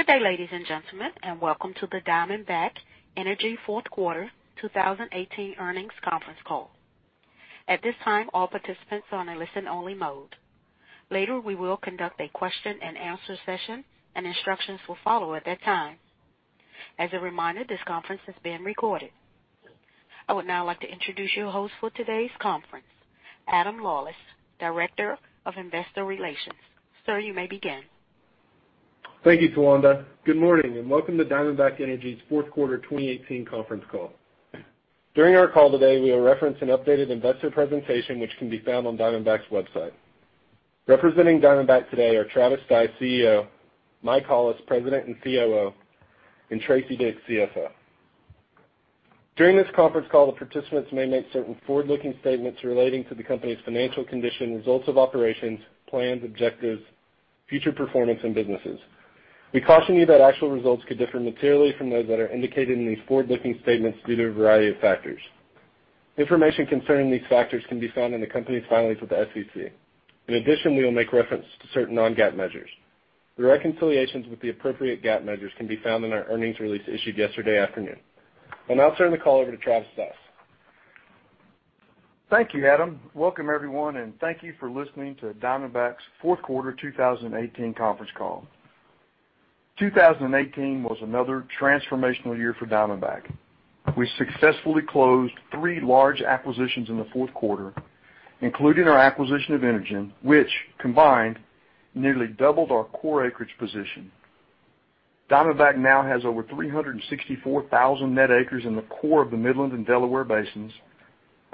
Good day, ladies and gentlemen, and welcome to the Diamondback Energy fourth quarter 2018 earnings conference call. At this time, all participants are on a listen-only mode. Later, we will conduct a question and answer session, and instructions will follow at that time. As a reminder, this conference is being recorded. I would now like to introduce your host for today's conference, Adam Lawlis, Director of Investor Relations. Sir, you may begin. Thank you, Talonda. Good morning, and welcome to Diamondback Energy's fourth quarter 2018 conference call. During our call today, we will reference an updated investor presentation which can be found on Diamondback's website. Representing Diamondback today are Travis Stice, CEO; Mike Hollis, President and COO; and Tracy Dick, CFO. During this conference call, the participants may make certain forward-looking statements relating to the company's financial condition, results of operations, plans, objectives, future performance, and businesses. We caution you that actual results could differ materially from those that are indicated in these forward-looking statements due to a variety of factors. Information concerning these factors can be found in the company's filings with the SEC. In addition, we will make reference to certain non-GAAP measures. The reconciliations with the appropriate GAAP measures can be found in our earnings release issued yesterday afternoon. I'll now turn the call over to Travis Stice. Thank you, Adam. Welcome everyone, and thank you for listening to Diamondback's fourth quarter 2018 conference call. 2018 was another transformational year for Diamondback. We successfully closed 3 large acquisitions in the fourth quarter, including our acquisition of Energen, which, combined, nearly doubled our core acreage position. Diamondback now has over 364,000 net acres in the core of the Midland and Delaware basins,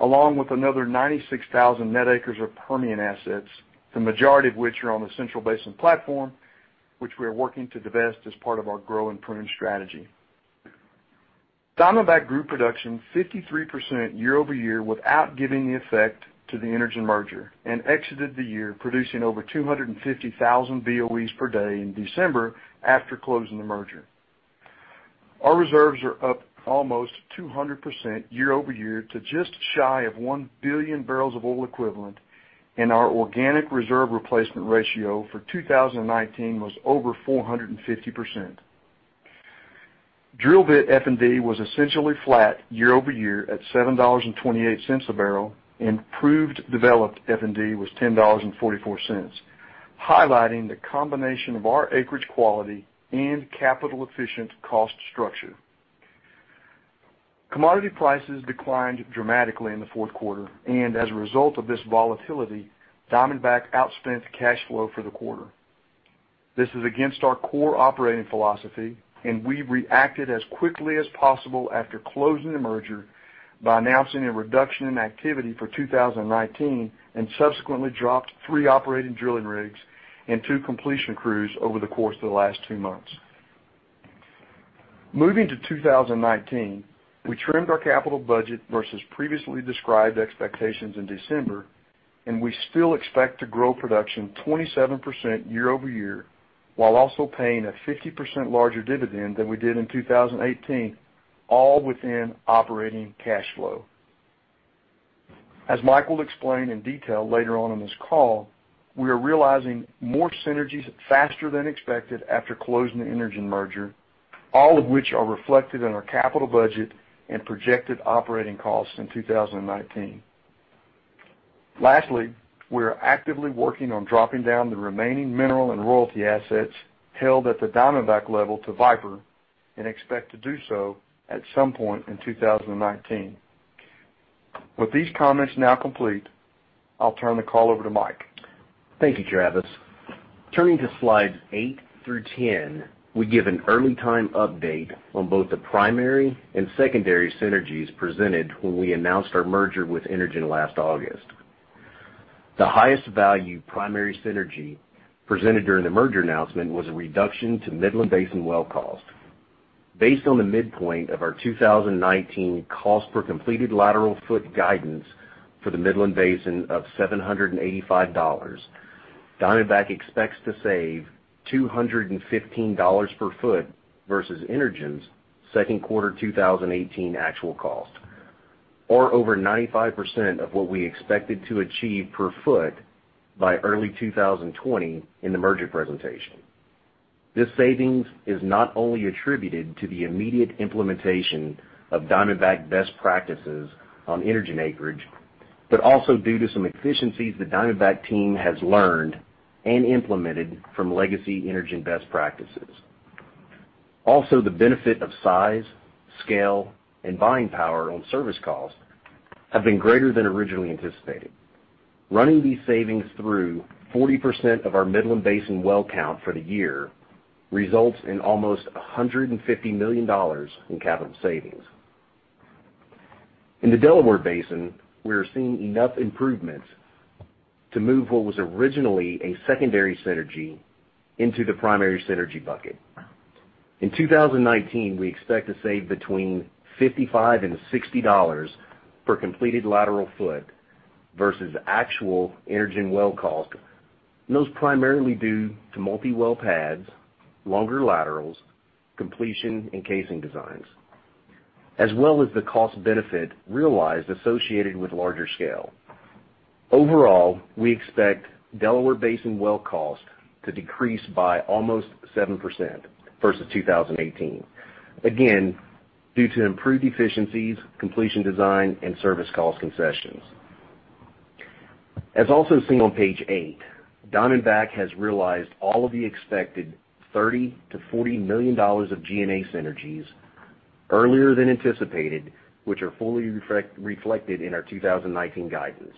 along with another 96,000 net acres of Permian assets, the majority of which are on the Central Basin Platform, which we are working to divest as part of our grow and prune strategy. Diamondback grew production 53% year-over-year without giving the effect to the Energen merger and exited the year producing over 250,000 BOEs per day in December after closing the merger. Our reserves are up almost 200% year-over-year to just shy of 1 billion barrels of oil equivalent, and our organic reserve replacement ratio for 2019 was over 450%. Drill bit F&D was essentially flat year-over-year at $7.28 a barrel, and proved developed F&D was $10.44, highlighting the combination of our acreage quality and capital-efficient cost structure. Commodity prices declined dramatically in the fourth quarter, and as a result of this volatility, Diamondback outspent cash flow for the quarter. This is against our core operating philosophy, and we reacted as quickly as possible after closing the merger by announcing a reduction in activity for 2019, and subsequently dropped 3 operating drilling rigs and 2 completion crews over the course of the last 2 months. Moving to 2019, we trimmed our capital budget versus previously described expectations in December. We still expect to grow production 27% year-over-year, while also paying a 50% larger dividend than we did in 2018, all within operating cash flow. As Mike will explain in detail later on in this call, we are realizing more synergies faster than expected after closing the Energen merger, all of which are reflected in our capital budget and projected operating costs in 2019. Lastly, we are actively working on dropping down the remaining mineral and royalty assets held at the Diamondback level to Viper and expect to do so at some point in 2019. With these comments now complete, I'll turn the call over to Mike. Thank you, Travis. Turning to slides eight through 10, we give an early time update on both the primary and secondary synergies presented when we announced our merger with Energen last August. The highest value primary synergy presented during the merger announcement was a reduction to Midland Basin well cost. Based on the midpoint of our 2019 cost per completed lateral foot guidance for the Midland Basin of $785, Diamondback expects to save $215 per foot versus Energen's second quarter 2018 actual cost, or over 95% of what we expected to achieve per foot by early 2020 in the merger presentation. This savings is not only attributed to the immediate implementation of Diamondback best practices on Energen acreage, but also due to some efficiencies the Diamondback team has learned and implemented from legacy Energen best practices. Also, the benefit of size, scale, and buying power on service calls have been greater than originally anticipated. Running these savings through 40% of our Midland Basin well count for the year results in almost $150 million in capital savings. In the Delaware Basin, we are seeing enough improvements to move what was originally a secondary synergy into the primary synergy bucket. In 2019, we expect to save between $55 and $60 per completed lateral foot versus actual Energen well cost, those primarily due to multi-well pads, longer laterals, completion, and casing designs. As well as the cost benefit realized associated with larger scale. Overall, we expect Delaware Basin well cost to decrease by almost 7% versus 2018. Again, due to improved efficiencies, completion design, and service cost concessions. As also seen on page eight, Diamondback has realized all of the expected $30 million to $40 million of G&A synergies earlier than anticipated, which are fully reflected in our 2019 guidances.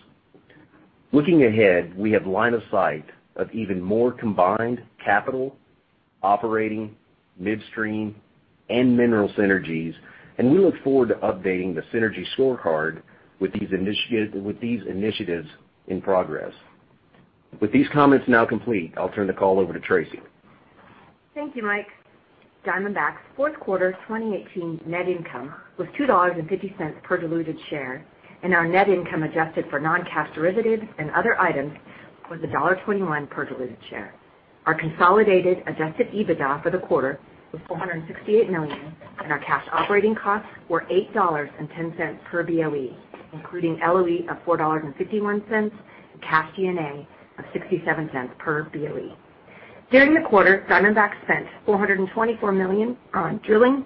Looking ahead, we have line of sight of even more combined capital, operating, midstream, and mineral synergies. We look forward to updating the synergy scorecard with these initiatives in progress. With these comments now complete, I'll turn the call over to Tracy. Thank you, Mike. Diamondback's fourth quarter 2018 net income was $2.50 per diluted share, and our net income adjusted for non-cash derivatives and other items was $1.21 per diluted share. Our consolidated adjusted EBITDA for the quarter was $468 million, and our cash operating costs were $8.10 per BOE, including LOE of $4.51 and cash G&A of $0.67 per BOE. During the quarter, Diamondback spent $424 million on drilling,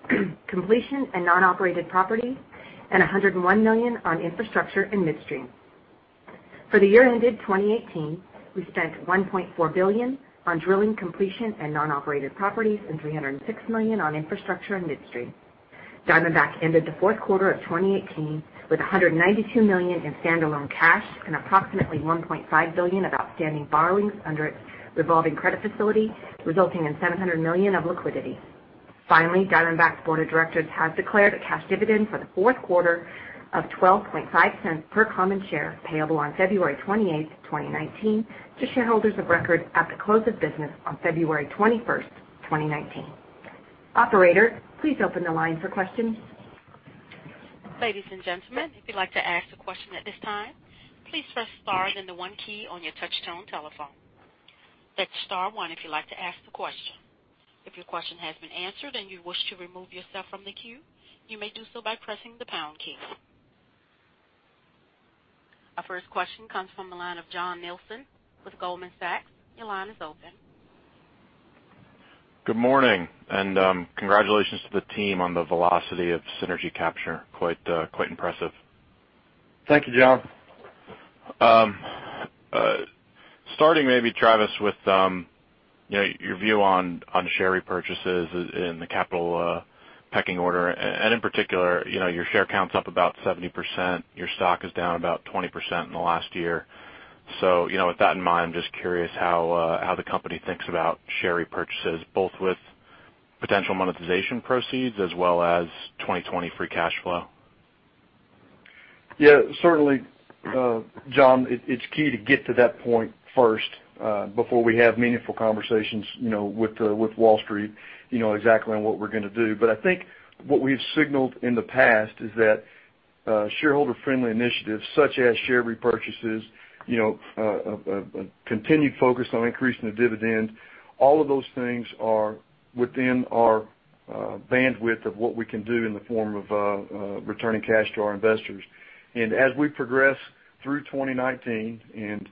completion and non-operated properties, and $101 million on infrastructure and midstream. For the year ended 2018, we spent $1.4 billion on drilling completion and non-operated properties and $306 million on infrastructure and midstream. Diamondback ended the fourth quarter of 2018 with $192 million in standalone cash and approximately $1.5 billion of outstanding borrowings under its revolving credit facility, resulting in $700 million of liquidity. Diamondback's board of directors has declared a cash dividend for the fourth quarter of $0.125 per common share payable on February 28th, 2019 to shareholders of record at the close of business on February 21st, 2019. Operator, please open the line for questions. Ladies and gentlemen, if you'd like to ask a question at this time, please press star then the one key on your touchtone telephone. That's star one if you'd like to ask a question. If your question has been answered and you wish to remove yourself from the queue, you may do so by pressing the pound key. Our first question comes from the line of Jon Nielsen with Goldman Sachs. Your line is open. Good morning, congratulations to the team on the velocity of synergy capture. Quite impressive. Thank you, Jon. Starting maybe, Travis, with your view on share repurchases in the capital pecking order, in particular, your share count's up about 70%, your stock is down about 20% in the last year. With that in mind, I'm just curious how the company thinks about share repurchases, both with potential monetization proceeds as well as 2020 free cash flow. Yeah. Certainly, Jon, it's key to get to that point first, before we have meaningful conversations with Wall Street exactly on what we're going to do. I think what we've signaled in the past is that shareholder-friendly initiatives such as share repurchases, a continued focus on increasing the dividend, all of those things are within our bandwidth of what we can do in the form of returning cash to our investors. As we progress through 2019 and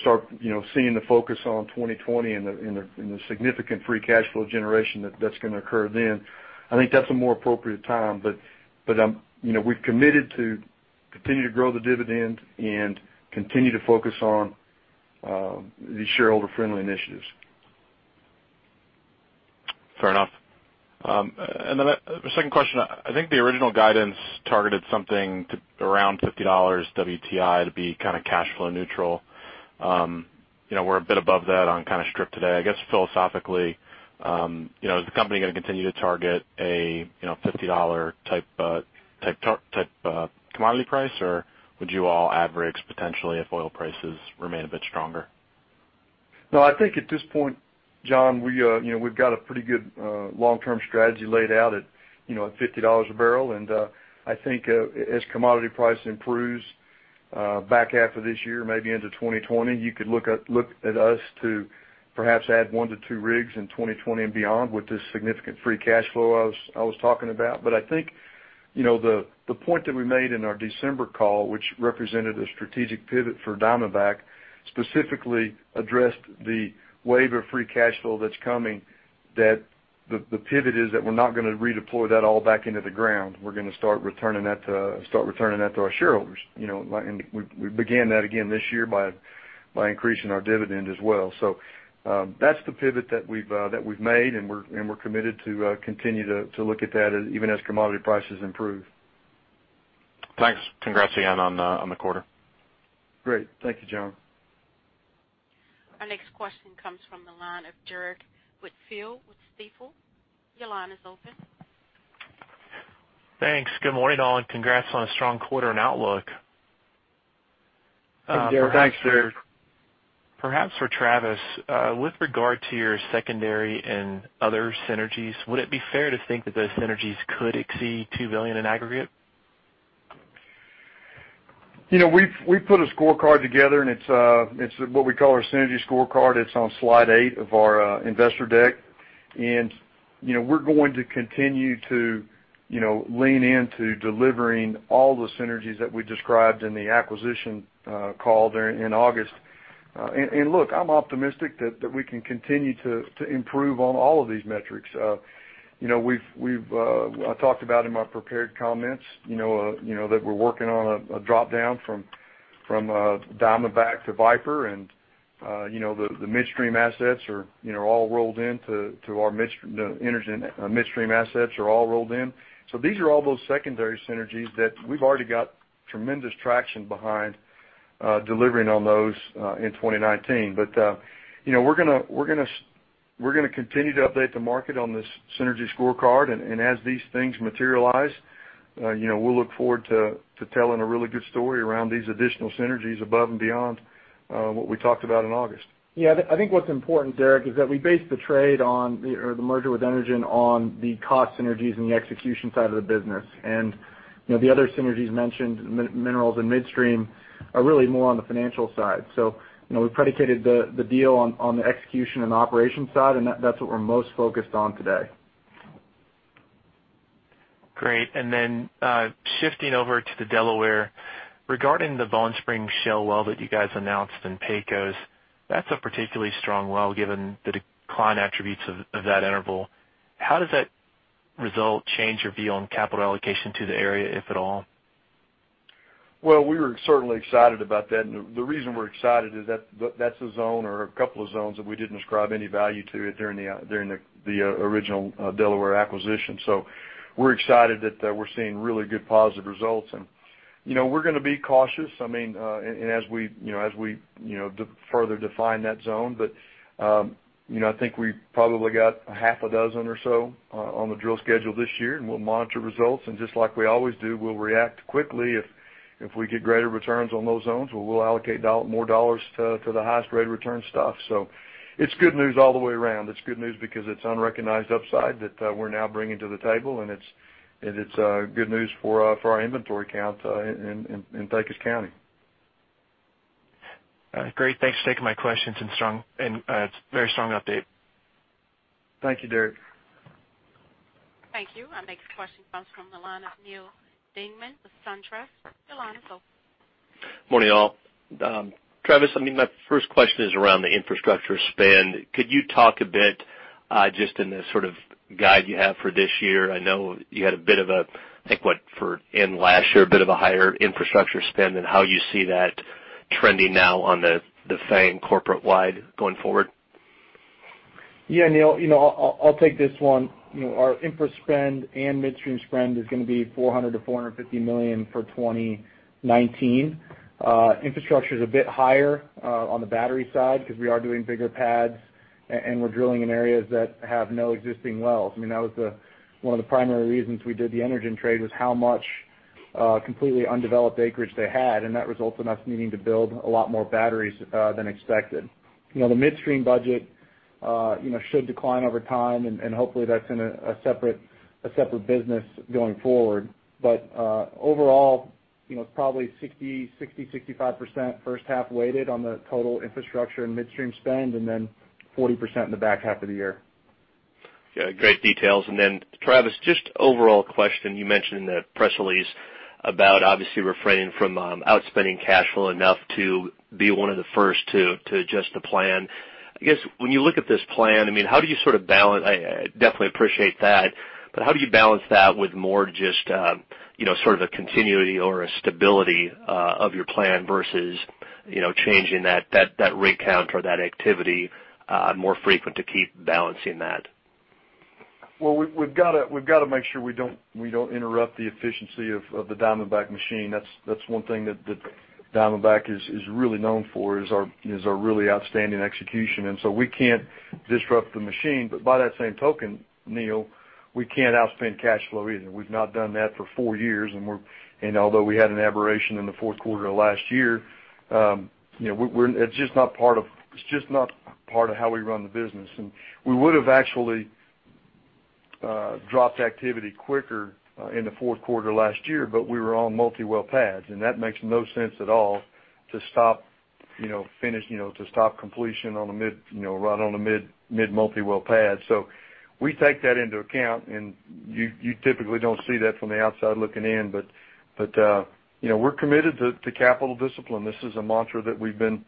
start seeing the focus on 2020 and the significant free cash flow generation that's going to occur then, I think that's a more appropriate time. We've committed to continue to grow the dividend and continue to focus on these shareholder-friendly initiatives. Fair enough. Then the second question, I think the original guidance targeted something around $50 WTI to be cash flow neutral. We're a bit above that on strip today. I guess philosophically, is the company going to continue to target a $50 type commodity price, or would you all average potentially if oil prices remain a bit stronger? No, I think at this point, Jon, we've got a pretty good long-term strategy laid out at $50 a barrel. I think as commodity price improves, back half of this year, maybe into 2020, you could look at us to perhaps add one to two rigs in 2020 and beyond with this significant free cash flow I was talking about. I think the point that we made in our December call, which represented a strategic pivot for Diamondback, specifically addressed the wave of free cash flow that's coming, that the pivot is that we're not going to redeploy that all back into the ground. We're going to start returning that to our shareholders. We began that again this year by increasing our dividend as well. That's the pivot that we've made, and we're committed to continue to look at that even as commodity prices improve. Thanks. Congrats again on the quarter. Great. Thank you, Jon. Our next question comes from the line of Derrick Whitfield with Stifel. Your line is open. Thanks. Good morning, all, and congrats on a strong quarter and outlook. Thanks, Derrick. Perhaps for Travis, with regard to your secondary and other synergies, would it be fair to think that those synergies could exceed $2 billion in aggregate? We've put a scorecard together. It's what we call our synergy scorecard. It's on slide eight of our investor deck. We're going to continue to lean into delivering all the synergies that we described in the acquisition call there in August. Look, I'm optimistic that we can continue to improve on all of these metrics. I talked about in my prepared comments, that we're working on a drop-down from Diamondback to Viper. The midstream assets are all rolled into our Energen midstream assets are all rolled in. These are all those secondary synergies that we've already got tremendous traction behind delivering on those in 2019. We're going to continue to update the market on this synergy scorecard, and as these things materialize, we'll look forward to telling a really good story around these additional synergies above and beyond what we talked about in August. I think what's important, Derrick, is that we base the trade on the merger with Energen on the cost synergies and the execution side of the business. The other synergies mentioned, minerals and midstream, are really more on the financial side. We predicated the deal on the execution and operations side, and that's what we're most focused on today. Great. Shifting over to the Delaware, regarding the Bone Spring shale well that you guys announced in Pecos, that's a particularly strong well, given the decline attributes of that interval. How does that result change your view on capital allocation to the area, if at all? Well, we were certainly excited about that. The reason we're excited is that's a zone or a couple of zones that we didn't ascribe any value to it during the original Delaware acquisition. We're excited that we're seeing really good positive results and we're going to be cautious, as we further define that zone. I think we probably got a half a dozen or so on the drill schedule this year, and we'll monitor results. Just like we always do, we'll react quickly if we get greater returns on those zones, where we'll allocate more dollars to the highest rate of return stuff. It's good news all the way around. It's good news because it's unrecognized upside that we're now bringing to the table, and it's good news for our inventory count in Pecos County. All right, great. Thanks for taking my questions and very strong update. Thank you, Derrick. Thank you. Our next question comes from the line of Neal Dingmann with SunTrust. Your line is open. Morning, all. Travis, my first question is around the infrastructure spend. Could you talk a bit just in the sort of guide you have for this year? I know you had a bit of a higher infrastructure spend for end last year and how you see that trending now on the FANG corporate-wide going forward. Yeah, Neal. I'll take this one. Our infra spend and midstream spend is going to be $400 million-$450 million for 2019. Infrastructure's a bit higher on the battery side because we are doing bigger pads and we're drilling in areas that have no existing wells. That was one of the primary reasons we did the Energen trade was how much completely undeveloped acreage they had, and that results in us needing to build a lot more batteries than expected. The midstream budget should decline over time, and hopefully that's in a separate business going forward. Overall, it's probably 60%-65% first half weighted on the total infrastructure and midstream spend, and then 40% in the back half of the year. Yeah, great details. Travis, just overall question, you mentioned in the press release about obviously refraining from outspending cash flow enough to be one of the first to adjust the plan. I guess when you look at this plan, how do you sort of balance I definitely appreciate that, but how do you balance that with more just sort of a continuity or a stability of your plan versus changing that rate count or that activity more frequent to keep balancing that? Well, we've got to make sure we don't interrupt the efficiency of the Diamondback machine. That's one thing that Diamondback is really known for is our really outstanding execution. We can't disrupt the machine, but by that same token, Neal, we can't outspend cash flow either. We've not done that for four years, although we had an aberration in the fourth quarter of last year, it's just not part of how we run the business. We would have actually dropped activity quicker in the fourth quarter last year, but we were on multi-well pads, and that makes no sense at all to stop completion right on a mid multi-well pad. We take that into account, and you typically don't see that from the outside looking in. We're committed to capital discipline. This is a mantra that we've been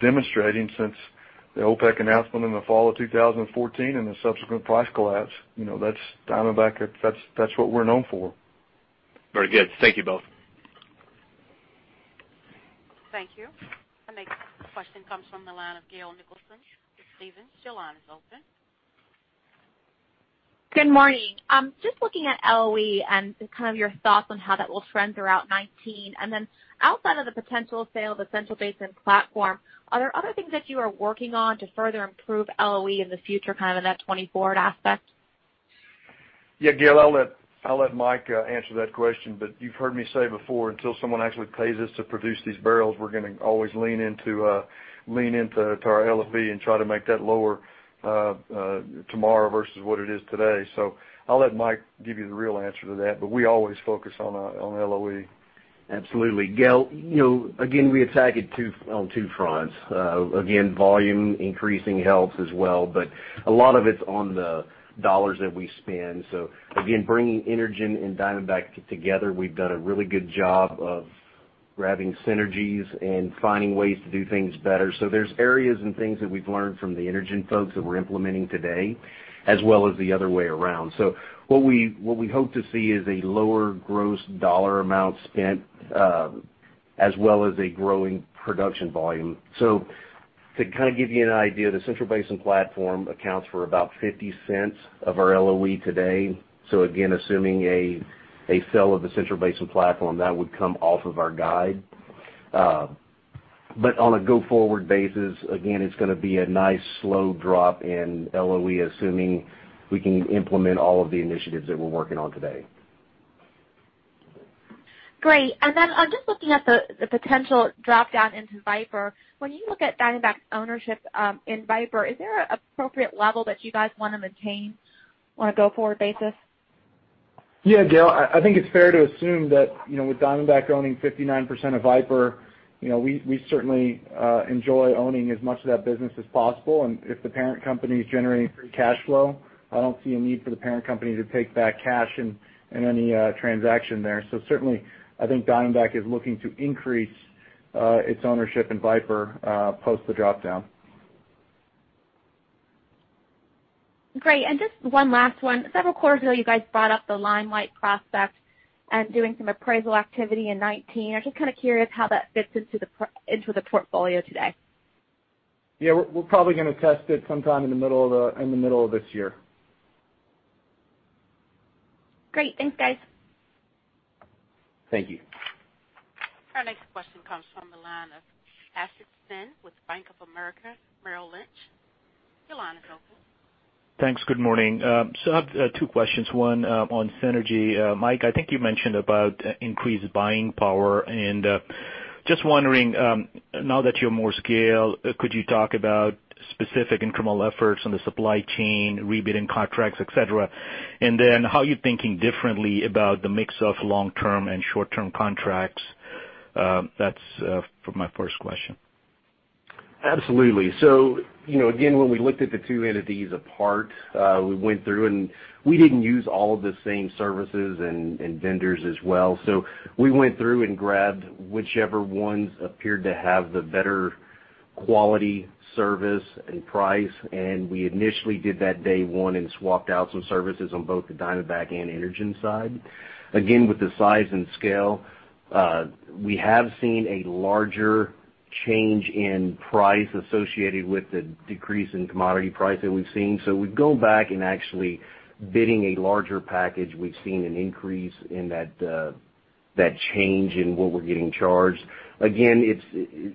demonstrating since the OPEC announcement in the fall of 2014 and the subsequent price collapse. That's Diamondback. That's what we're known for. Very good. Thank you both. Thank you. Our next question comes from the line of Gail Nicholson with Stephens. Your line is open. Good morning. Just looking at LOE and just kind of your thoughts on how that will trend throughout 2019. Outside of the potential sale of the Central Basin Platform, are there other things that you are working on to further improve LOE in the future, kind of in that 2024 aspect? Yeah, Gail, I'll let Mike answer that question. You've heard me say before, until someone actually pays us to produce these barrels, we're going to always lean into our LOE and try to make that lower tomorrow versus what it is today. I'll let Mike give you the real answer to that, but we always focus on LOE. Absolutely. Gail, again, we attack it on two fronts. Again, volume increasing helps as well, but a lot of it's on the dollars that we spend. Again, bringing Energen and Diamondback together, we've done a really good job of grabbing synergies and finding ways to do things better. There's areas and things that we've learned from the Energen folks that we're implementing today, as well as the other way around. What we hope to see is a lower gross dollar amount spent, as well as a growing production volume. To kind of give you an idea, the Central Basin Platform accounts for about $0.50 of our LOE today. Again, assuming a sale of the Central Basin Platform, that would come off of our guide. on a go-forward basis, again, it's going to be a nice slow drop in LOE, assuming we can implement all of the initiatives that we're working on today. Great. I'm just looking at the potential drop-down into Viper. When you look at Diamondback's ownership in Viper, is there an appropriate level that you guys want to maintain on a go-forward basis? Yeah, Gail, I think it's fair to assume that, with Diamondback owning 59% of Viper, we certainly enjoy owning as much of that business as possible. If the parent company is generating free cash flow, I don't see a need for the parent company to take back cash in any transaction there. Certainly, I think Diamondback is looking to increase its ownership in Viper post the drop-down. Great. Just one last one. Several quarters ago, you guys brought up the Limelight prospect and doing some appraisal activity in 2019. I'm just kind of curious how that fits into the portfolio today. Yeah, we're probably going to test it sometime in the middle of this year. Great. Thanks, guys. Thank you. Our next question comes from the line of Asit Sen with Bank of America Merrill Lynch. Your line is open. Thanks. Good morning. I have two questions, one on synergy. Mike, I think you mentioned about increased buying power. Just wondering, now that you have more scale, could you talk about specific incremental efforts on the supply chain, rebidding contracts, et cetera? How are you thinking differently about the mix of long-term and short-term contracts? That's for my first question. Absolutely. Again, when we looked at the two entities apart, we went through, we didn't use all of the same services and vendors as well. We went through and grabbed whichever ones appeared to have the better quality, service, and price. We initially did that day one and swapped out some services on both the Diamondback and Energen side. Again, with the size and scale, we have seen a larger change in price associated with the decrease in commodity price that we've seen. We go back, and actually bidding a larger package, we've seen an increase in that change in what we're getting charged. Again,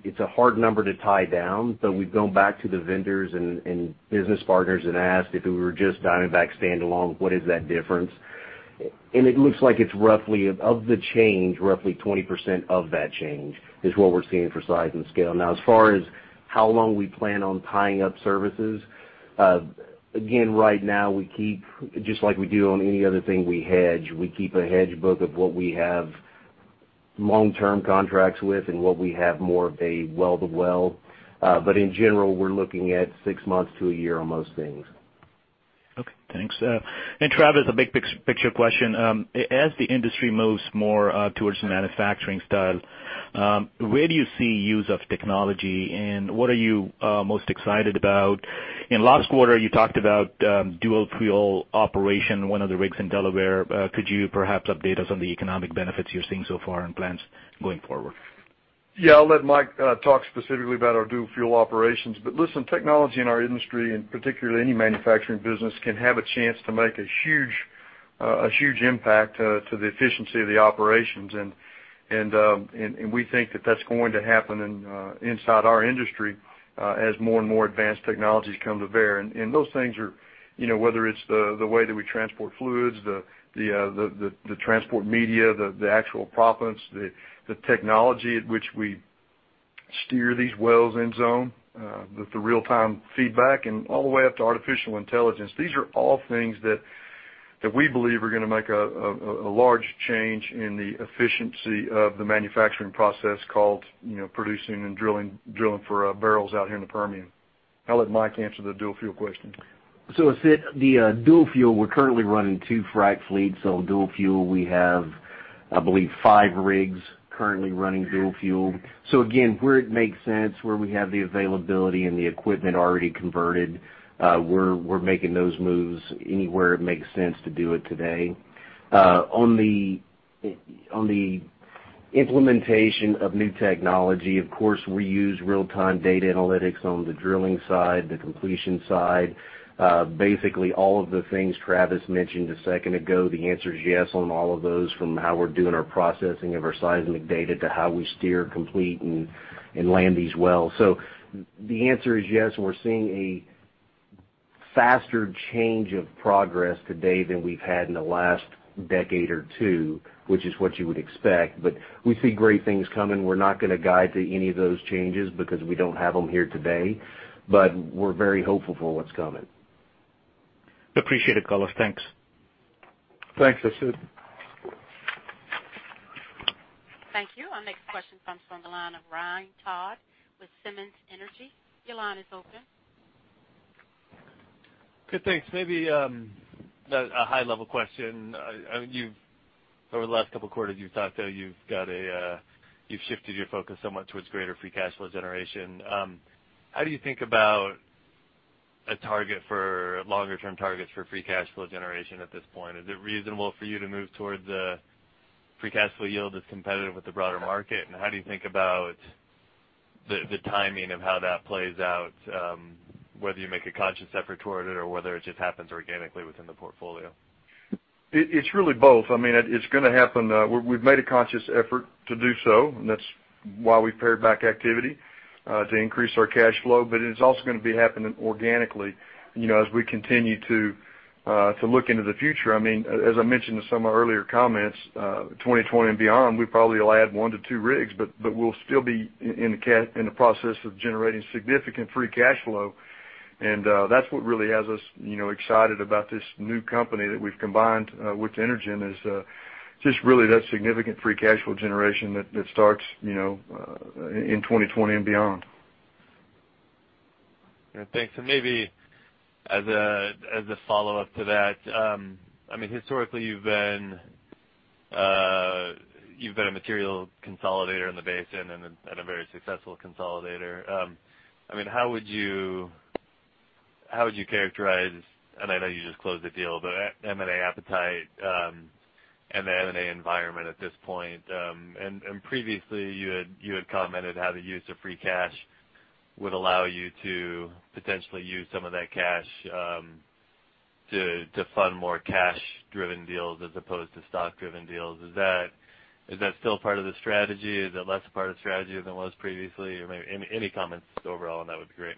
it's a hard number to tie down, but we've gone back to the vendors and business partners and asked if it were just Diamondback standalone, what is that difference? It looks like of the change, roughly 20% of that change is what we're seeing for size and scale. Now, as far as how long we plan on tying up services, again, right now, just like we do on any other thing we hedge, we keep a hedge book of what we have long-term contracts with and what we have more of a well-to-well. In general, we're looking at six months to a year on most things. Okay, thanks. Travis, a big picture question. As the industry moves more towards the manufacturing style, where do you see use of technology, and what are you most excited about? In last quarter, you talked about dual fuel operation, one of the rigs in Delaware. Could you perhaps update us on the economic benefits you're seeing so far and plans going forward? Yeah, I'll let Mike talk specifically about our dual fuel operations. Listen, technology in our industry, and particularly any manufacturing business, can have a chance to make a huge impact to the efficiency of the operations, we think that that's going to happen inside our industry as more and more advanced technologies come to bear. Those things are, whether it's the way that we transport fluids, the transport media, the actual proppants, the technology at which we steer these wells in zone, the real-time feedback, and all the way up to artificial intelligence. These are all things that we believe are going to make a large change in the efficiency of the manufacturing process called producing and drilling for barrels out here in the Permian. I'll let Mike answer the dual fuel question. Asit, the dual fuel, we're currently running two frac fleets on dual fuel. We have, I believe, five rigs currently running dual fuel. Again, where it makes sense, where we have the availability and the equipment already converted, we're making those moves anywhere it makes sense to do it today. On the implementation of new technology, of course, we use real-time data analytics on the drilling side, the completion side. Basically, all of the things Travis mentioned a second ago, the answer is yes on all of those, from how we're doing our processing of our seismic data to how we steer, complete, and land these wells. The answer is yes, we're seeing a Faster change of progress today than we've had in the last decade or two, which is what you would expect. We see great things coming. We're not going to guide to any of those changes because we don't have them here today, but we're very hopeful for what's coming. Appreciate it, Kaes. Thanks. Thanks, Asit. Thank you. Our next question comes from the line of Ryan Todd with Simmons Energy. Your line is open. Good, thanks. Maybe, a high-level question. Over the last couple of quarters, you've talked how you've shifted your focus somewhat towards greater free cash flow generation. How do you think about a target for longer-term targets for free cash flow generation at this point? Is it reasonable for you to move towards a free cash flow yield that's competitive with the broader market? How do you think about the timing of how that plays out, whether you make a conscious effort toward it or whether it just happens organically within the portfolio? It's really both. It's going to happen. We've made a conscious effort to do so, that's why we've pared back activity, to increase our cash flow. It's also going to be happening organically as we continue to look into the future. As I mentioned in some of my earlier comments, 2020 and beyond, we probably will add one to two rigs, but we'll still be in the process of generating significant free cash flow. That's what really has us excited about this new company that we've combined with Energen, is just really that significant free cash flow generation that starts in 2020 and beyond. Maybe as a follow-up to that, historically you've been a material consolidator in the basin and a very successful consolidator. How would you characterize, I know you just closed the deal, but M&A appetite, and the M&A environment at this point? Previously you had commented how the use of free cash would allow you to potentially use some of that cash to fund more cash-driven deals as opposed to stock-driven deals. Is that still part of the strategy? Is it less a part of the strategy than it was previously? Maybe any comments overall on that would be great.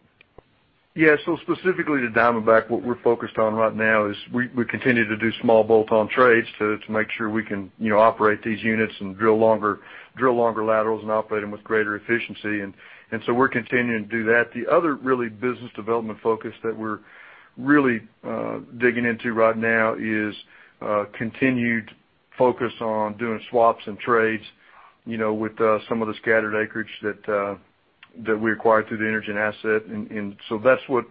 Yeah. Specifically to Diamondback, what we're focused on right now is we continue to do small bolt-on trades to make sure we can operate these units and drill longer laterals and operate them with greater efficiency. We're continuing to do that. The other really business development focus that we're really digging into right now is continued focus on doing swaps and trades with some of the scattered acreage that we acquired through the Energen asset. That's what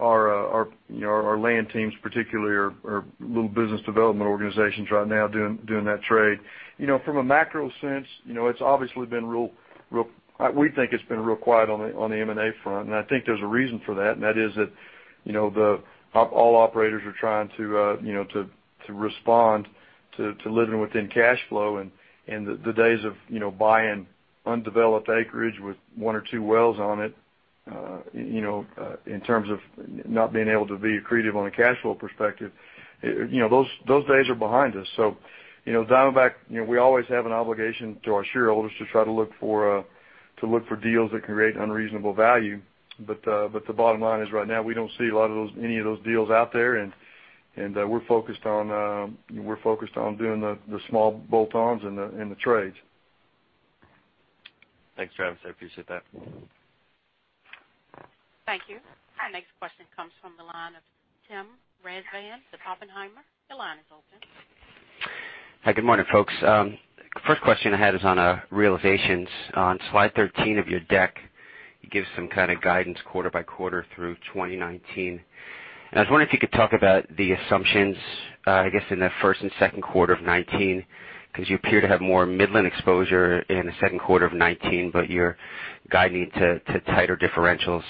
our land teams particularly are little business development organizations right now doing that trade. From a macro sense, we think it's been real quiet on the M&A front, and I think there's a reason for that, and that is that all operators are trying to respond to living within cash flow and the days of buying undeveloped acreage with one or two wells on it, in terms of not being able to be accretive on a cash flow perspective, those days are behind us. Diamondback, we always have an obligation to our shareholders to try to look for deals that can create unreasonable value. The bottom line is right now, we don't see any of those deals out there, and we're focused on doing the small bolt-ons and the trades. Thanks, Travis. I appreciate that. Thank you. Our next question comes from the line of Tim Rezvan with Oppenheimer. Your line is open. Hi. Good morning, folks. First question I had is on realizations. On slide 13 of your deck, it gives some kind of guidance quarter by quarter through 2019. I was wondering if you could talk about the assumptions, I guess, in the first and second quarter of 2019, because you appear to have more Midland exposure in the second quarter of 2019, but you're guiding to tighter differentials.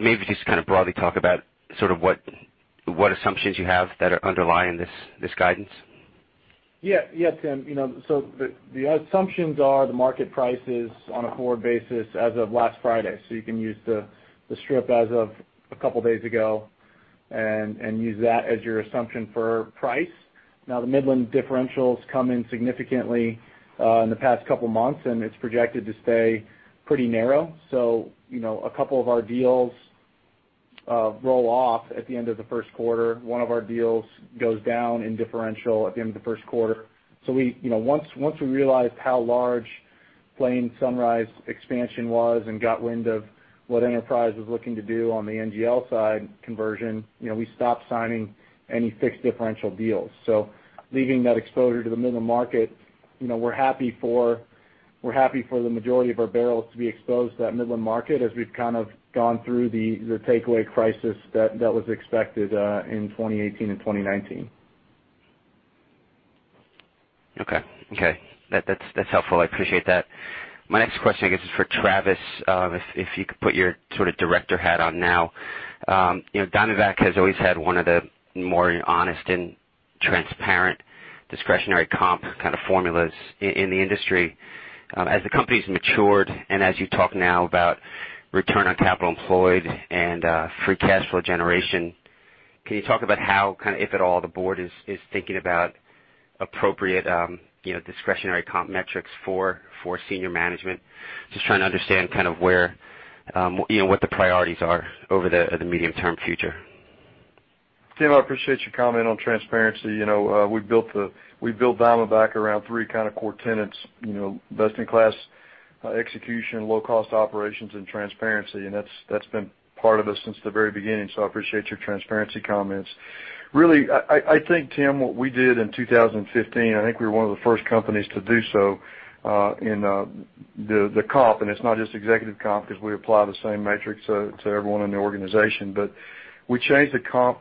Maybe just kind of broadly talk about sort of what assumptions you have that are underlying this guidance. Tim, the assumptions are the market prices on a forward basis as of last Friday. You can use the strip as of a couple of days ago and use that as your assumption for price. Now, the Midland differential's come in significantly in the past couple of months, and it's projected to stay pretty narrow. A couple of our deals roll off at the end of the first quarter. One of our deals goes down in differential at the end of the first quarter. Once we realized how large Plains Sunrise expansion was and got wind of what Enterprise was looking to do on the NGL side conversion, we stopped signing any fixed differential deals. Leaving that exposure to the Midland market, we're happy for the majority of our barrels to be exposed to that Midland market as we've kind of gone through the takeaway crisis that was expected in 2018 and 2019. Okay. That's helpful. I appreciate that. My next question, I guess, is for Travis. If you could put your sort of director hat on now. Diamondback has always had one of the more honest and transparent discretionary comp kind of formulas in the industry. As the company's matured and as you talk now about return on capital employed and free cash flow generation Can you talk about how, if at all, the board is thinking about appropriate discretionary comp metrics for senior management? Just trying to understand what the priorities are over the medium-term future. Tim, I appreciate your comment on transparency. We built Diamondback around three core tenets: best-in-class execution, low-cost operations, and transparency, and that's been part of us since the very beginning. I appreciate your transparency comments. Really, I think, Tim, what we did in 2015, I think we were one of the first companies to do so in the comp, and it's not just executive comp because we apply the same metrics to everyone in the organization. We changed the comp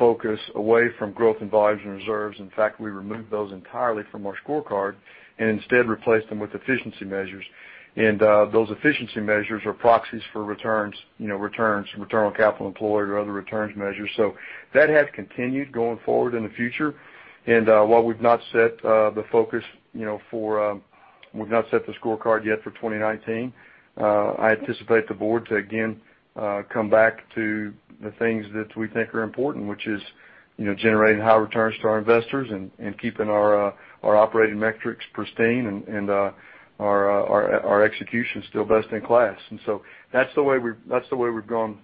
focus away from growth in volumes and reserves. In fact, we removed those entirely from our scorecard and instead replaced them with efficiency measures. Those efficiency measures are proxies for returns, return on capital employed or other returns measures. That has continued going forward in the future. While we've not set the scorecard yet for 2019, I anticipate the board to again, come back to the things that we think are important, which is generating high returns to our investors and keeping our operating metrics pristine and our execution still best in class. That's the way we've gone.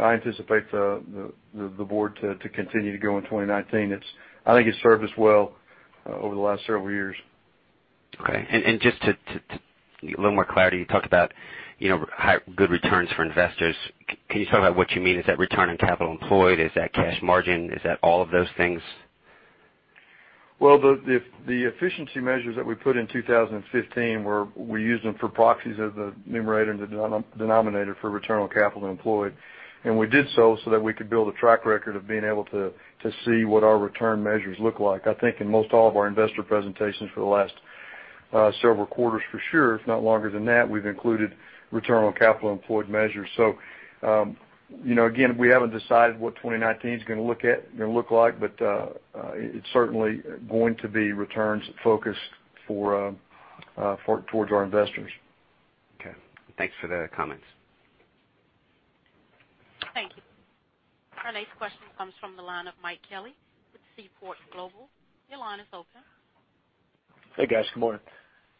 I anticipate the board to continue to go in 2019. I think it's served us well over the last several years. Okay. Just to get a little more clarity, you talked about good returns for investors. Can you talk about what you mean? Is that return on capital employed? Is that cash margin? Is that all of those things? Well, the efficiency measures that we put in 2015, we used them for proxies as the numerator and the denominator for return on capital employed. We did so so that we could build a track record of being able to see what our return measures look like. I think in most all of our investor presentations for the last several quarters, for sure, if not longer than that, we've included return on capital employed measures. Again, we haven't decided what 2019 is going to look like, but it's certainly going to be returns focused towards our investors. Okay. Thanks for the comments. Thank you. Our next question comes from the line of Mike Kelly with Seaport Global. Your line is open. Hey, guys. Good morning.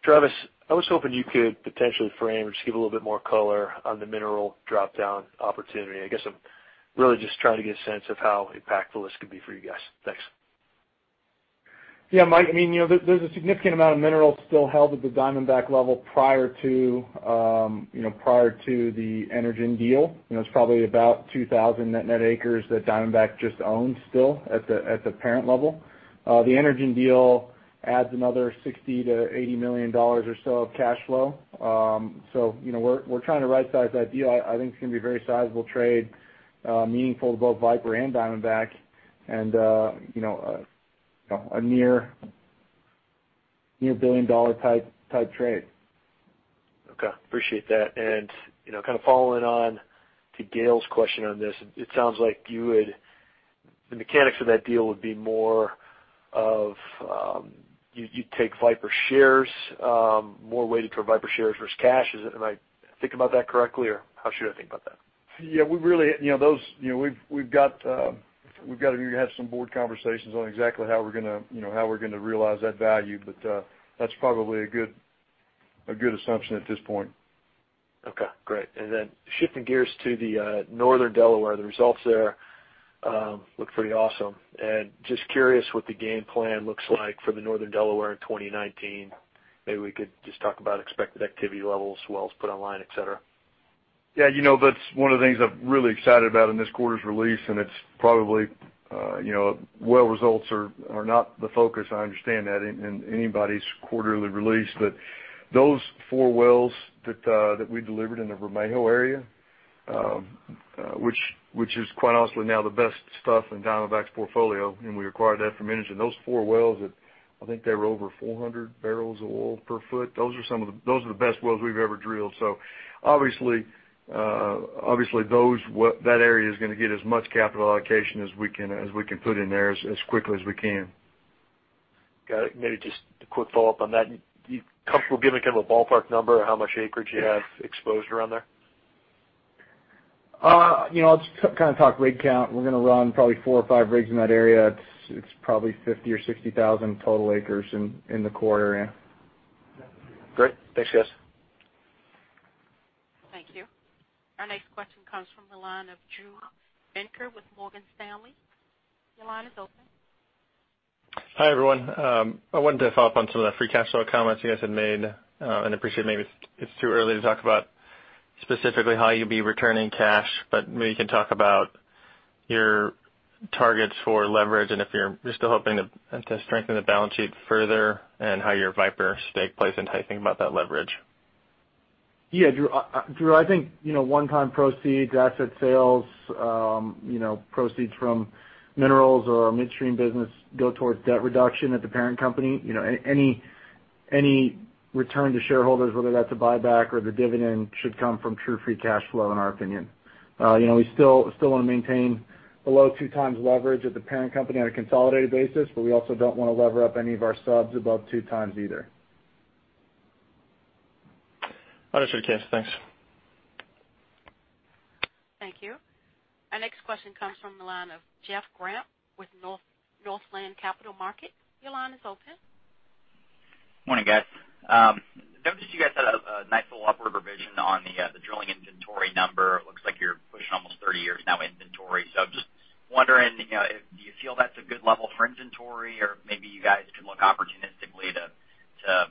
Travis, I was hoping you could potentially frame or just give a little bit more color on the mineral drop-down opportunity. I guess I'm really just trying to get a sense of how impactful this could be for you guys. Thanks. Yeah, Mike, there's a significant amount of minerals still held at the Diamondback level prior to the Energen deal. It's probably about 2,000 net acres that Diamondback just owns still at the parent level. The Energen deal adds another $60 million-$80 million or so of cash flow. We're trying to right-size that deal. I think it's going to be a very sizable trade, meaningful to both Viper and Diamondback, and a near billion-dollar type trade. Okay. Appreciate that. Following on to Gail's question on this, it sounds like the mechanics of that deal would be more of you'd take Viper shares, more weighted toward Viper shares versus cash. Am I thinking about that correctly, or how should I think about that? Yeah. We've got to have some board conversations on exactly how we're going to realize that value, but that's probably a good assumption at this point. Okay, great. Shifting gears to the Northern Delaware, the results there look pretty awesome. Just curious what the game plan looks like for the Northern Delaware in 2019. Maybe we could just talk about expected activity levels, wells put online, et cetera. Yeah. That's one of the things I'm really excited about in this quarter's release, it's probably well results are not the focus, I understand that, in anybody's quarterly release. Those four wells that we delivered in the Romayo area, which is quite honestly now the best stuff in Diamondback's portfolio, and we acquired that from Energen. Those four wells, I think they were over 400 barrels of oil per foot. Those are the best wells we've ever drilled. Obviously that area is going to get as much capital allocation as we can put in there as quickly as we can. Got it. Maybe just a quick follow-up on that. You comfortable giving a ballpark number of how much acreage you have exposed around there? I'll just talk rig count. We're going to run probably four or five rigs in that area. It's probably 50,000 or 60,000 total acres in the core area. Great. Thanks, guys. Thank you. Our next question comes from the line of Drew Venker with Morgan Stanley. Your line is open. Hi, everyone. I wanted to follow up on some of the free cash flow comments you guys had made. Appreciate maybe it's too early to talk about specifically how you'll be returning cash. Maybe you can talk about your targets for leverage and if you're still hoping to strengthen the balance sheet further and how your Viper stake plays into how you think about that leverage. Yeah, Drew, I think one-time proceeds, asset sales, proceeds from minerals or our midstream business go towards debt reduction at the parent company. Any return to shareholders, whether that's a buyback or the dividend, should come from true free cash flow, in our opinion. We still want to maintain below two times leverage at the parent company on a consolidated basis. We also don't want to lever up any of our subs above two times either. I understand, thanks. Thank you. Our next question comes from the line of Jeff Grampp with Northland Capital Markets. Your line is open. Morning, guys. Noticed you guys had a nice little upward revision on the drilling inventory number. Looks like you're pushing almost 30 years now inventory. Just wondering, do you feel that's a good level for inventory? Or maybe you guys could look opportunistically to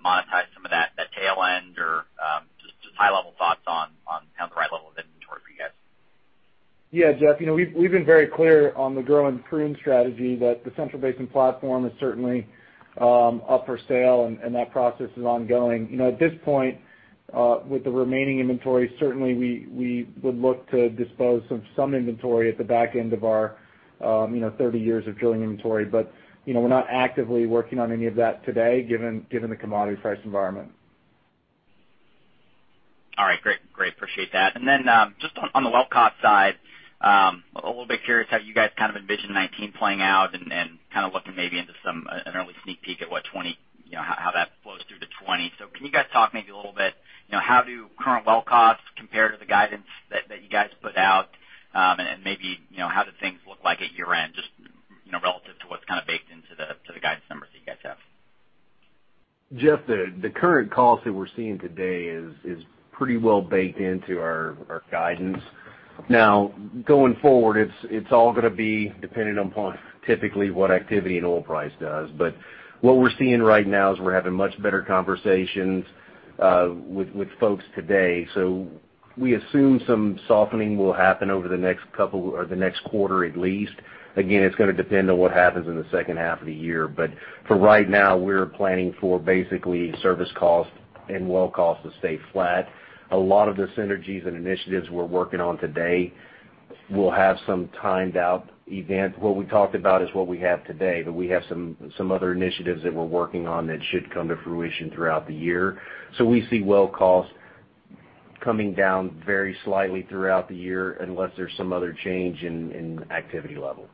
monetize some of that tail end, or just high-level thoughts on the right level of inventory for you guys. Yeah. Jeff, we've been very clear on the grow and prune strategy that the Central Basin Platform is certainly up for sale, and that process is ongoing. At this point, with the remaining inventory, certainly we would look to dispose of some inventory at the back end of our 30 years of drilling inventory. We're not actively working on any of that today, given the commodity price environment. All right. Great. Appreciate that. Just on the well cost side, a little bit curious how you guys envision 2019 playing out and looking maybe into an early sneak peek at how that flows through to 2020. Can you guys talk maybe a little bit, how do current well costs compare to the guidance that you guys put out? Maybe, how do things look like at year-end, just relative to what's baked into the guidance numbers that you guys have? Jeff, the current costs that we're seeing today is pretty well baked into our guidance. Going forward, it's all going to be dependent upon typically what activity and oil price does. What we're seeing right now is we're having much better conversations with folks today. We assume some softening will happen over the next quarter at least. Again, it's going to depend on what happens in the second half of the year. For right now, we're planning for basically service cost and well cost to stay flat. A lot of the synergies and initiatives we're working on today will have some timed-out event. What we talked about is what we have today, but we have some other initiatives that we're working on that should come to fruition throughout the year. We see well costs coming down very slightly throughout the year, unless there's some other change in activity level.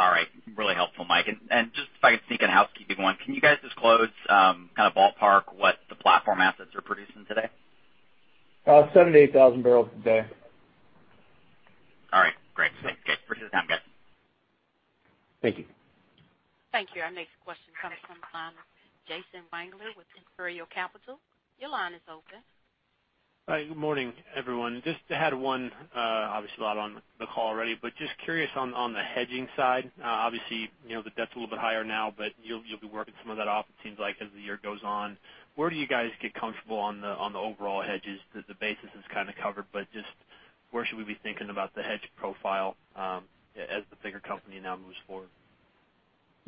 All right. Really helpful, Mike. Just if I can sneak in a housekeeping one, can you guys disclose, kind of ballpark, what the platform assets are producing today? 78,000 barrels a day. All right, great. Appreciate the time, guys. Thank you. Thank you. Our next question comes from the line of Jason Wangler with Imperial Capital. Your line is open. Good morning, everyone. Just had one, obviously a lot on the call already, just curious on the hedging side. Obviously, the debt's a little bit higher now, you'll be working some of that off, it seems like, as the year goes on. Where do you guys get comfortable on the overall hedges? The basis is kind of covered, just where should we be thinking about the hedge profile as the bigger company now moves forward?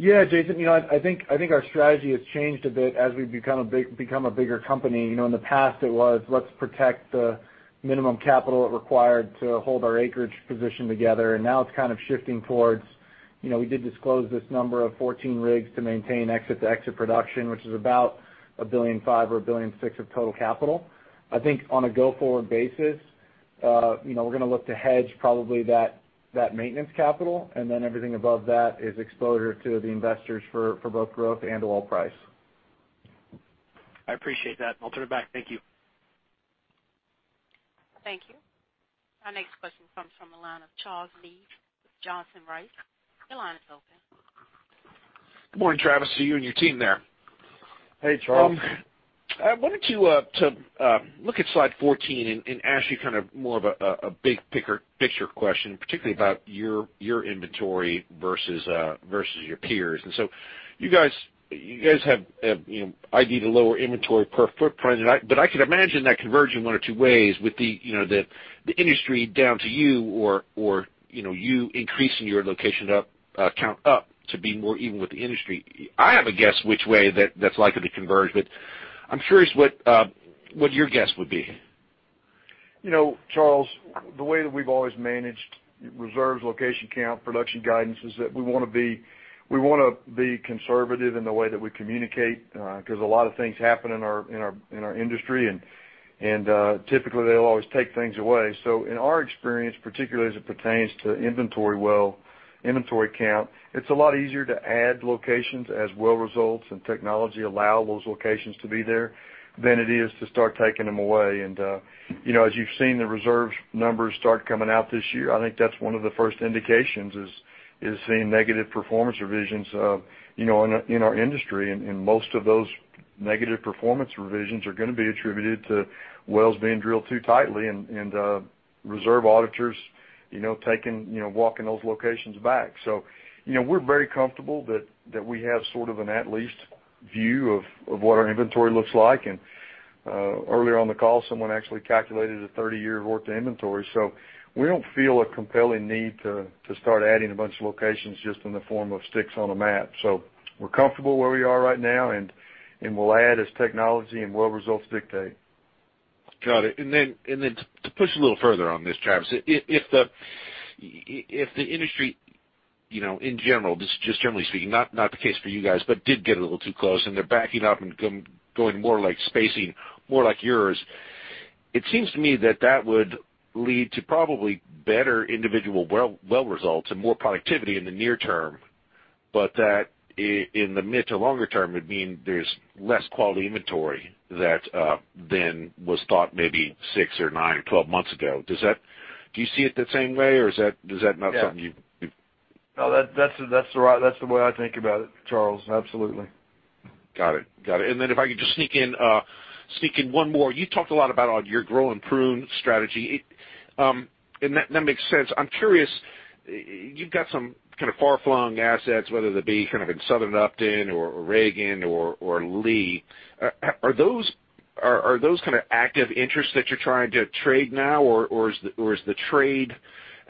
Yeah, Jason, I think our strategy has changed a bit as we've become a bigger company. In the past it was, let's protect the minimum capital it required to hold our acreage position together, and now it's shifting towards, we did disclose this number of 14 rigs to maintain exit-to-exit production, which is about $1.5 billion or $1.6 billion of total capital. I think on a go-forward basis, we're going to look to hedge probably that maintenance capital, and then everything above that is exposure to the investors for both growth and oil price. I appreciate that. I'll turn it back. Thank you. Thank you. Our next question comes from the line of Charles Meade with Johnson Rice. Your line is open. Good morning, Travis, to you and your team there. Hey, Charles. I wanted to look at slide 14 and ask you more of a big picture question, particularly about your inventory versus your peers. You guys have ideally the lower inventory per footprint, but I could imagine that converging one or two ways with the industry down to you, or you increasing your location count up to be more even with the industry. I have a guess which way that's likely to converge, but I'm curious what your guess would be. Charles, the way that we've always managed reserves, location count, production guidance is that we want to be conservative in the way that we communicate, because a lot of things happen in our industry, and typically, they'll always take things away. In our experience, particularly as it pertains to inventory well, inventory count, it's a lot easier to add locations as well results and technology allow those locations to be there than it is to start taking them away. As you've seen the reserves numbers start coming out this year, I think that's one of the first indications is seeing negative performance revisions in our industry, and most of those negative performance revisions are going to be attributed to wells being drilled too tightly and reserve auditors walking those locations back. We're very comfortable that we have sort of an at least view of what our inventory looks like. Earlier on the call, someone actually calculated a 30-year work to inventory. We don't feel a compelling need to start adding a bunch of locations just in the form of sticks on a map. We're comfortable where we are right now, and we'll add as technology and well results dictate. Got it. To push a little further on this, Travis, if the industry in general, this is just generally speaking, not the case for you guys, but did get a little too close and they're backing up and going more like spacing more like yours. It seems to me that that would lead to probably better individual well results and more productivity in the near term, but that in the mid to longer term, it'd mean there's less quality inventory than was thought maybe six or nine or 12 months ago. Do you see it the same way, or is that not something you've- No, that's the way I think about it, Charles. Absolutely. Got it. If I could just sneak in one more. You talked a lot about your Grow and Prune Strategy. That makes sense. I'm curious, you've got some kind of far-flung assets, whether that be in Southern Upton or Reagan or Lee. Are those active interests that you're trying to trade now, or is the trade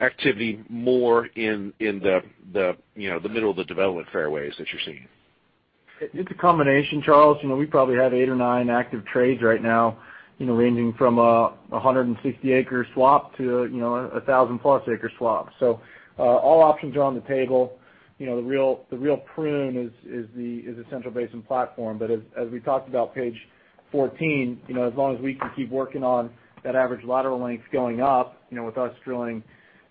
activity more in the middle of the development fairways that you're seeing? It's a combination, Charles. We probably have eight or nine active trades right now, ranging from 160-acre swap to 1,000-plus acre swap. All options are on the table. The real prune is the Central Basin Platform. As we talked about page 14, as long as we can keep working on that average lateral length going up, with us drilling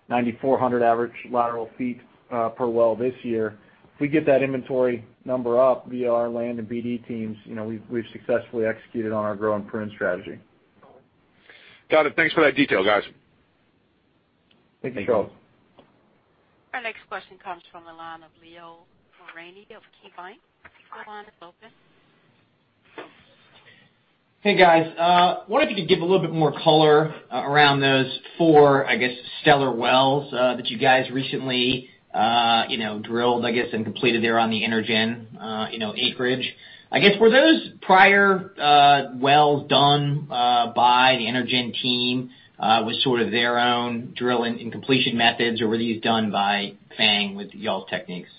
9,400 average lateral feet per well this year, if we get that inventory number up via our land and BD teams, we've successfully executed on our Grow and Prune Strategy. Got it. Thanks for that detail, guys. Thank you, Charles. Our next question comes from the line of Leo Mariani of KeyBanc. Your line is open. Hey, guys. Wondering if you could give a little bit more color around those four, I guess, stellar wells that you guys recently drilled, I guess, and completed there on the Energen acreage. I guess, were those prior wells done by the Energen team with sort of their own drilling and completion methods, or were these done by FANG with y'all's techniques?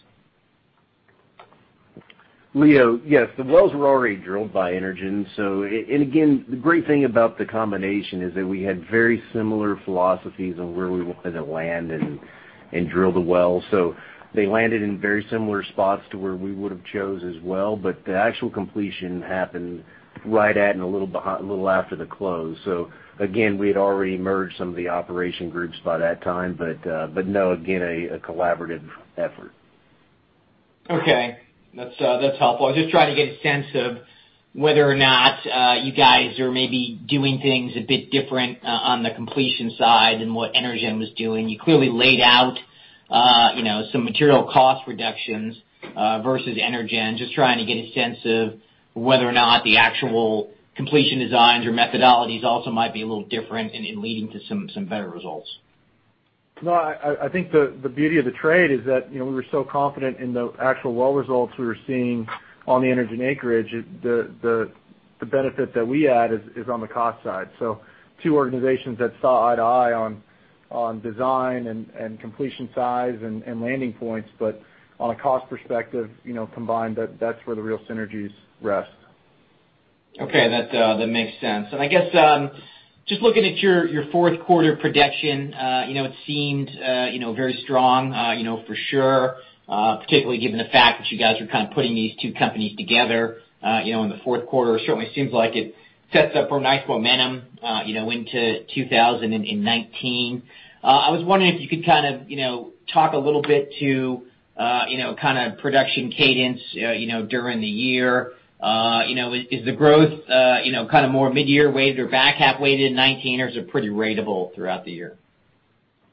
Leo, yes, the wells were already drilled by Energen. Again, the great thing about the combination is that we had very similar philosophies on where we wanted to land and drill the well. They landed in very similar spots to where we would've chose as well, the actual completion happened right at and a little after the close. Again, we had already merged some of the operation groups by that time. No, again, a collaborative effort. Okay. That's helpful. I was just trying to get a sense of whether or not you guys are maybe doing things a bit different on the completion side than what Energen was doing. You clearly laid out some material cost reductions versus Energen. Just trying to get a sense of whether or not the actual completion designs or methodologies also might be a little different in leading to some better results. No, I think the beauty of the trade is that we were so confident in the actual well results we were seeing on the Energen acreage. The benefit that we add is on the cost side. Two organizations that saw eye to eye on design and completion size and landing points, but on a cost perspective, combined, that's where the real synergies rest. Okay. That makes sense. I guess, just looking at your fourth quarter production, it seemed very strong for sure. Particularly given the fact that you guys are kind of putting these two companies together in the fourth quarter. It certainly seems like it sets up for a nice momentum into 2019. I was wondering if you could talk a little bit to production cadence during the year. Is the growth more midyear weighted or back half weighted in 2019, or is it pretty ratable throughout the year?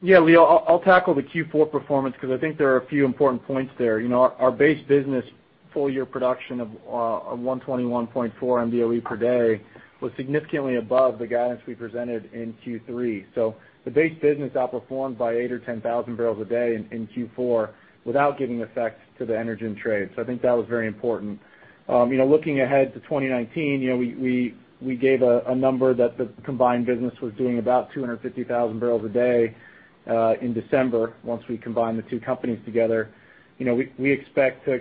Leo, I'll tackle the Q4 performance because I think there are a few important points there. Our base business full year production of 121.4 MBOE per day was significantly above the guidance we presented in Q3. The base business outperformed by 8,000 or 10,000 barrels a day in Q4 without giving effect to the Energen trade. I think that was very important. Looking ahead to 2019, we gave a number that the combined business was doing about 250,000 barrels a day in December, once we combined the two companies together. We expect to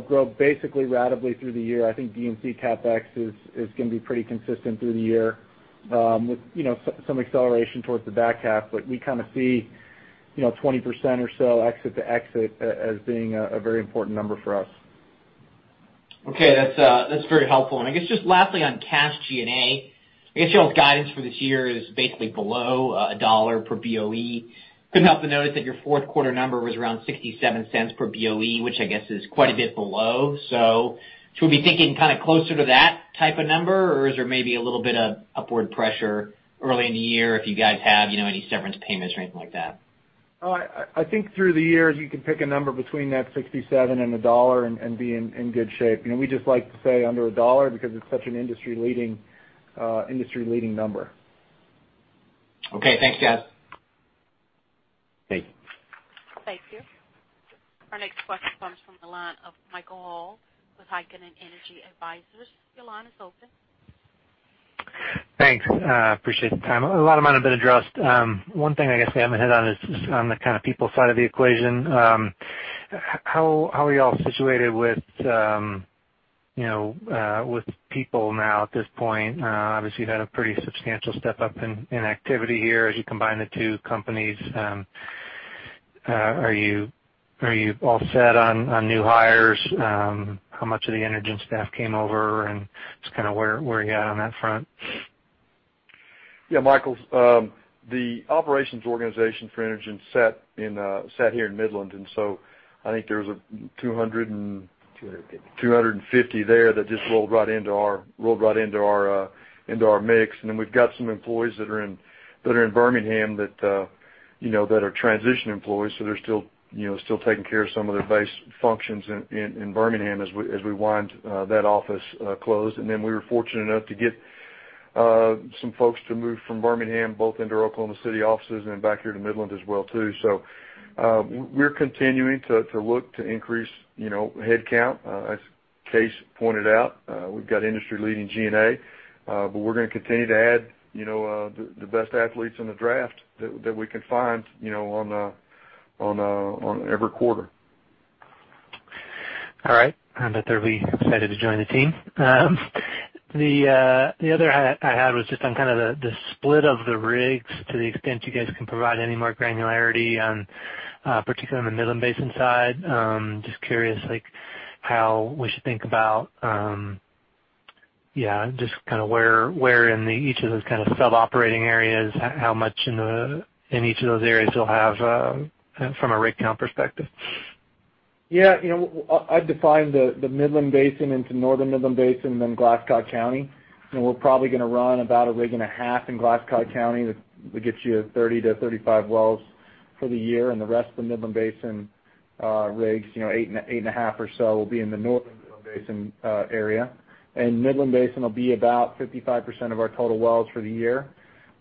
grow basically ratably through the year. I think D&C CapEx is going to be pretty consistent through the year, with some acceleration towards the back half. We see 20% or so exit to exit as being a very important number for us. Okay. That's very helpful. I guess just lastly on cash G&A, I guess you all's guidance for this year is basically below $1 per BOE. Couldn't help but notice that your fourth quarter number was around $0.67 per BOE, which I guess is quite a bit below. Should we be thinking closer to that type of number, or is there maybe a little bit of upward pressure early in the year if you guys have any severance payments or anything like that? I think through the year, you can pick a number between that $0.67 and $1 and be in good shape. We just like to say under $1 because it's such an industry-leading number. Okay, thanks guys. Thank you. Thank you. Our next question comes from the line of Michael Hall with Heikkinen Energy Advisors. Your line is open. Thanks. Appreciate the time. A lot of them have been addressed. One thing I guess I haven't hit on is on the people side of the equation. How are you all situated with people now at this point? Obviously, you've had a pretty substantial step up in activity here as you combine the two companies. Are you all set on new hires? How much of the Energen staff came over and just where are you at on that front? Yeah, Michael, the operations organization for Energen sat here in Midland, and so I think there was 200 and- 250. 250 there that just rolled right into our mix. We've got some employees that are in Birmingham that are transition employees, so they're still taking care of some of their base functions in Birmingham as we wind that office close. We were fortunate enough to get some folks to move from Birmingham, both into Oklahoma City offices and back here to Midland as well too. We're continuing to look to increase headcount. As Kaes pointed out, we've got industry-leading G&A, we're going to continue to add the best athletes in the draft that we can find on every quarter. All right. I'm definitely excited to join the team. The other I had was just on the split of the rigs to the extent you guys can provide any more granularity on, particularly on the Midland Basin side. Just curious how we should think about just where in each of those sub-operating areas, how much in each of those areas you'll have from a rig count perspective. Yeah. I define the Midland Basin into northern Midland Basin, then Glasscock County. We're probably going to run about a rig and a half in Glasscock County, that gives you 30 to 35 wells for the year, the rest of the Midland Basin rigs, eight and a half or so, will be in the northern Midland Basin area. Midland Basin will be about 55% of our total wells for the year.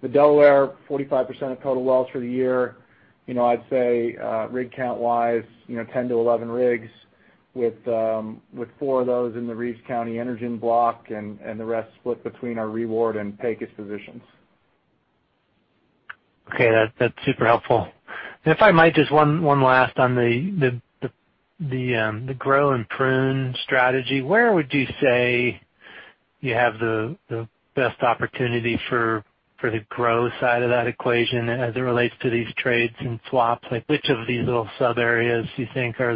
The Delaware, 45% of total wells for the year. I'd say, rig count-wise, 10 to 11 rigs with four of those in the Reeves County Energen block, the rest split between our Reward and Pecos positions. Okay. That's super helpful. If I might, just one last on the grow and prune strategy. Where would you say you have the best opportunity for the grow side of that equation as it relates to these trades and swaps? Which of these little sub-areas do you think are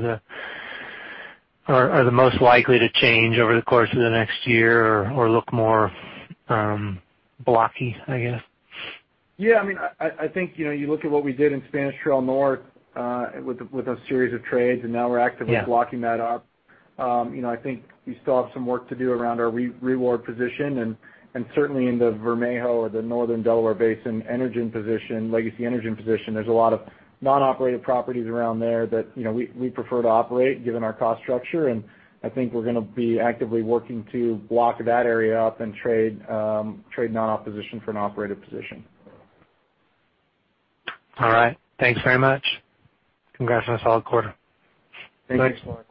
the most likely to change over the course of the next year or look more blocky, I guess? I think you look at what we did in Spanish Trail North, with a series of trades, and now we're actively blocking that up. I think we still have some work to do around our Reward position, and certainly in the Vermejo or the northern Delaware Basin Energen position, legacy Energen position. There's a lot of non-operated properties around there that we prefer to operate given our cost structure. I think we're going to be actively working to block that area up and trade non-op position for an operated position. All right. Thanks very much. Congrats on a solid quarter. Thanks. Thanks.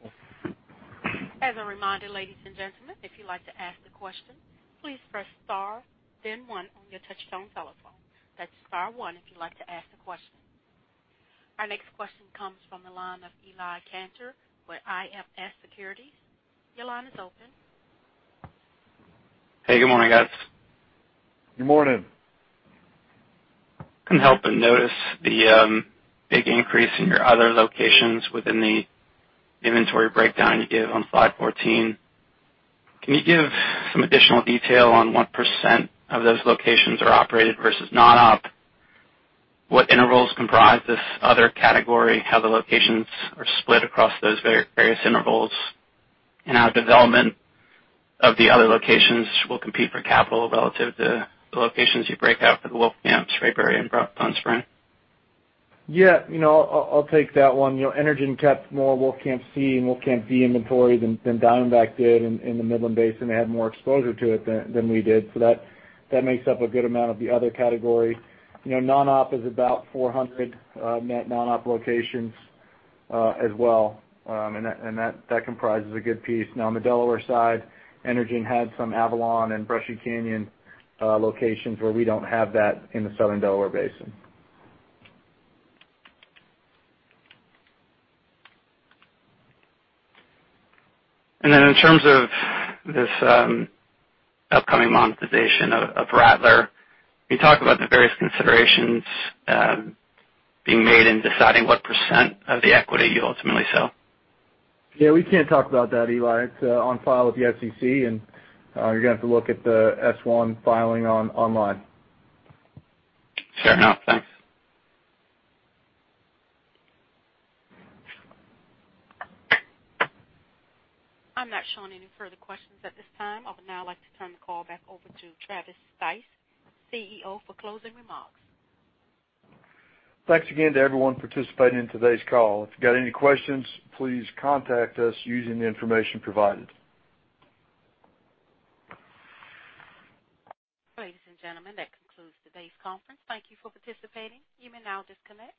As a reminder, ladies and gentlemen, if you'd like to ask a question, please press star then one on your touch-tone telephone. That's star one if you'd like to ask a question. Our next question comes from the line of Eli Kantor with IFS Securities. Your line is open. Hey, good morning, guys. Good morning. Couldn't help but notice the big increase in your other locations within the inventory breakdown you give on slide 14. Can you give some additional detail on what % of those locations are operated versus non-op? What intervals comprise this other category? How the locations are split across those various intervals? How development of the other locations will compete for capital relative to the locations you break out for the Wolfcamp, Spraberry, and Bone Spring. Yeah, I'll take that one. Energen kept more Wolfcamp C and Wolfcamp D inventory than Diamondback did in the Midland Basin. They had more exposure to it than we did. That makes up a good amount of the other category. Non-op is about 400 net non-op locations as well. That comprises a good piece. Now, on the Delaware side, Energen had some Avalon and Brushy Canyon locations where we don't have that in the southern Delaware Basin. In terms of this upcoming monetization of Rattler, can you talk about the various considerations being made in deciding what % of the equity you ultimately sell? Yeah, we can't talk about that, Eli. It's on file with the SEC. You're going to have to look at the S1 filing online. Fair enough. Thanks. I'm not showing any further questions at this time. I would now like to turn the call back over to Travis Stice, CEO, for closing remarks. Thanks again to everyone participating in today's call. If you've got any questions, please contact us using the information provided. Ladies and gentlemen, that concludes today's conference. Thank you for participating. You may now disconnect.